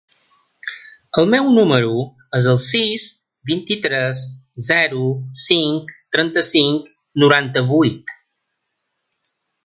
El meu número es el sis, vint-i-tres, zero, cinc, trenta-cinc, noranta-vuit.